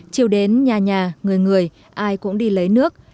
chiều đến nhà nhà người người ai cũng đi lấy nước